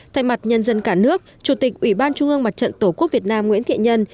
thay mặt nhân dân cả nước chủ tịch ủy ban trung ương mặt trận tổ quốc việt nam nguyễn thiện nhân